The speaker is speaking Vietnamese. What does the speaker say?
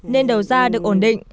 nên đầu ra được ổn định